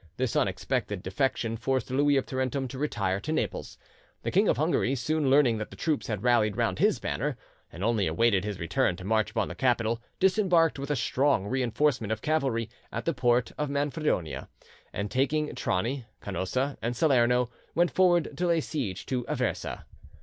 This unexpected defection forced Louis of Tarentum to retire to Naples. The King of Hungary soon learning that the troops had rallied round his banner, and only awaited his return to march upon the capital, disembarked with a strong reinforcement of cavalry at the port of Manfredonia, and taking Trani, Canosa, and Salerno, went forward to lay siege to Aversa.